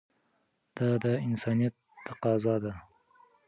دا د انسانیت تقاضا ده.